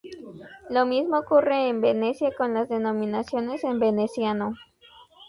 Lo mismo ocurre en Venecia con las denominaciones en veneciano.